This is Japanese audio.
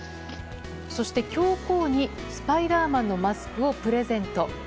そして、教皇にスパイダーマンのマスクをプレゼント。